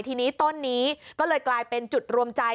ทีนี้ต้นนี้ก็เลยกลายเป็นจุดรวมใจ